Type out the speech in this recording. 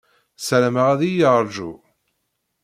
Ssarameɣ ad iyi-yeṛju.